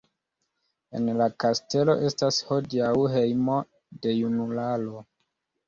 En la kastelo estas hodiaŭ hejmo de junularo.